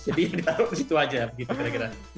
jadi diharusin di situ saja gitu kira kira